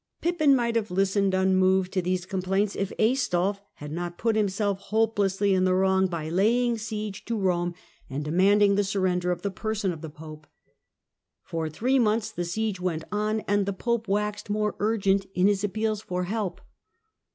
Pippin might have listened unmoved to these com plaints if Aistulf had not put himself hopelessly in the wrong by laying siege to Rome and demanding the surrender of the person of the Pope. For three months the siege went on, and the Pope waxed more urgent in his appeals for help.